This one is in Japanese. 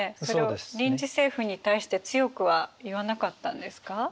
それを臨時政府に対して強くは言わなかったんですか？